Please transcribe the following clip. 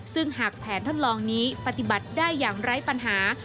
ซึ่งหากแผนทดลองนี้ปฏิบัติได้อย่างไร้ปัญหา